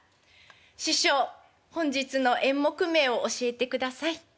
「師匠本日の演目名を教えてください」。